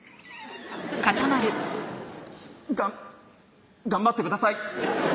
「が頑張ってください」